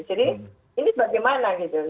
jadi ini bagaimana gitu